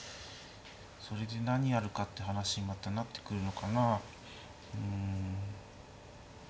それで何やるかって話にまたなってくるのかなあ。